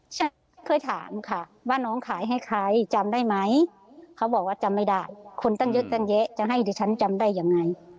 ฉันเคยถามค่ะว่าน้องขายให้ใครจำได้ไหมเขาบอกว่าจำไม่ได้คนตั้งเยอะตั้งแยะจะให้ดิฉันจำได้ยังไง